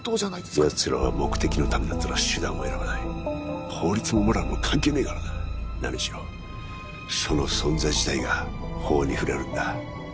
かやつらは目的のためだったら手段を選ばない法律もモラルも関係ねえからななにしろその存在自体が法に触れるんだ